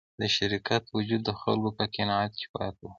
د شرکت وجود د خلکو په قناعت کې پاتې و.